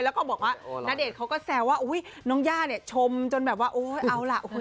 แล้วก็บอกว่าณเดชน์เขาก็แสวว่าอุ๊ยน้องย่าชมจนแบบว่าโอ๊ยเอาล่ะ